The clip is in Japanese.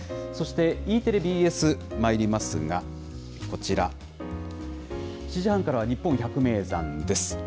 そしてＥテレ、ＢＳ、まいりますが、こちら、７時半からはにっぽん百名山です。